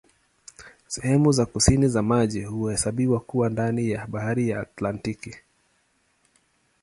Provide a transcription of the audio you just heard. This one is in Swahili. Sehemu za kusini za maji huhesabiwa kuwa ndani ya Bahari ya Antaktiki.